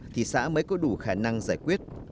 thì xã mới có đủ khả năng giải quyết